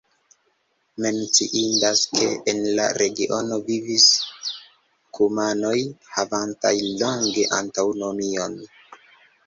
Menciindas, ke en la regiono vivis kumanoj havantaj longe aŭtonomion.